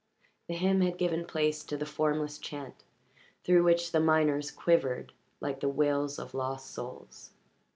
The hymn had given place to the formless chant, through which the minors quivered like the wails of lost souls.